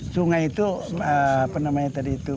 sungai itu apa namanya tadi itu